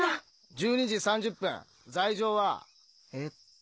１２時３０分罪状はえっと。